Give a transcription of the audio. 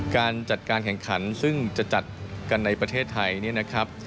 การจัดการแข่งขันซึ่งจะจัดกันในประเทศไทยเนี่ยนะครับ